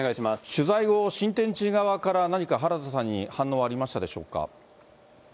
取材後、新天地側から何か原田さんに反応はありましたでしょうか。